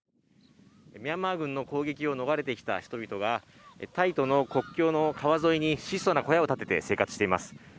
ミャンマー軍の攻撃を逃れてきた人々がタイとの国境の川沿いに質素な小屋を建てて生活しています。